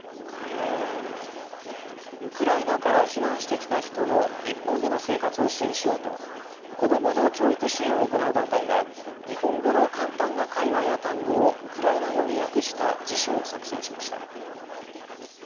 ウクライナから避難してきた人の日本での生活を支援しようと子どもの教育支援を行う団体が日本語の簡単な会話や単語をウクライナ語に訳した辞書を作成しました。